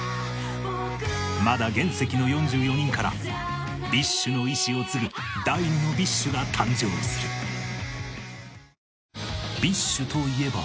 まだ原石の４４人から ＢｉＳＨ の意志を継ぐ第２の ＢｉＳＨ が誕生する ＢｉＳＨ といえば